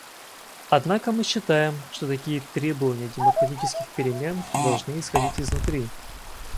Однако мы считаем, что такие требования демократических перемен должны исходить изнутри.